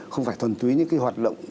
không phải thuần túy những cái hoạt động